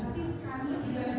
lebih dari satu miliar